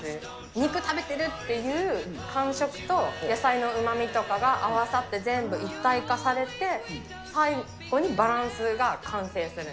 肉食べてるっていう感触と、野菜のうまみとかが合わさって、全部一体化されて、最後にバランスが完成する。